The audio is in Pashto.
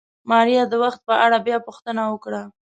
ماريا د وخت په اړه بيا پوښتنه وکړه.